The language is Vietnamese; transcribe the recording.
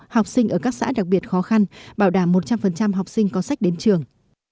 học sinh ở các xã đặc biệt khó khăn bảo đảm một trăm linh học sinh có sách đến trường